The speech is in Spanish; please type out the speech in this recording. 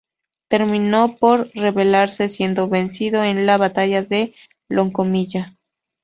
Terminó por rebelarse, siendo vencido en la batalla de Loncomilla.